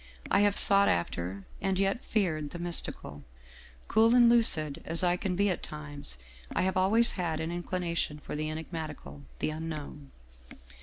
I have sought after, and yet feared the mystical; cool and lucid as I can be at times, I have always had an inclination for the enigmatical, the Unknown.